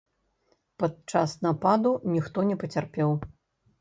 Падчас нападу ніхто не пацярпеў.